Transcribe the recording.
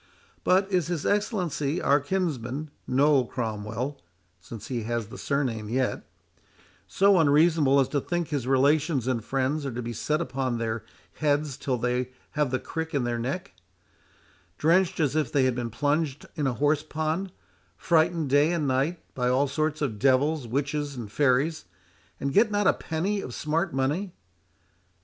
But is his Excellency, our kinsman, Noll Cromwell (since he has the surname yet) so unreasonable as to think his relations and friends are to be set upon their heads till they have the crick in their neck—drenched as if they had been plunged in a horse pond—frightened, day and night, by all sort of devils, witches, and fairies, and get not a penny of smart money?